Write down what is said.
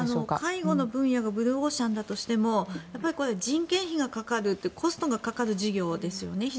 介護の分野がブルーオーシャンだとしてもこれは人件費がかかるコストがかかる事業ですよね。